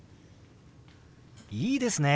いいですね！